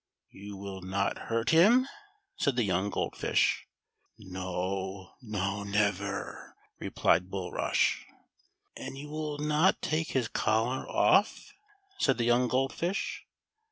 "You will not hurt him!" saia the young Gold Fish. "No, no, never fear," replied Bulrush. "And \ ou will not take his collar off," said the young Gold Fish.